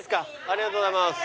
ありがとうございます。